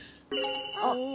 あっ！